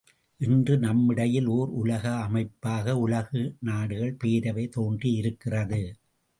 இன்று நம்மிடையில் ஒர் உலக அமைப்பாக உலக நாடுகள் பேரவை தோன்றியிருக்கிறது.